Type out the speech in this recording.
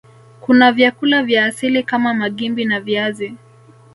Kuna vyakula vya asili kama Magimbi na viazi